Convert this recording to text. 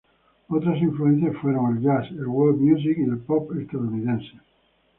Otras influencias fueron el jazz, el world music y el pop estadounidense.